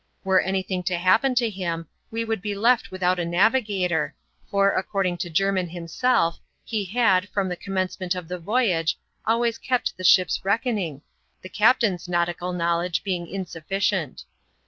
Were any thing to happen to him, we would be left without a navigator, for, according to Jermin himself, he had, from the commencement of the voyage, always kept the ship's reckoning, the captain's nautical know ledge being insufficient.